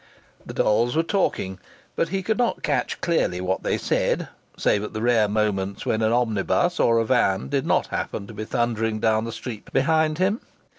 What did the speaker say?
The dolls were talking, but he could not catch clearly what they said, save at the rare moments when an omnibus or a van did not happen to be thundering down the street behind him.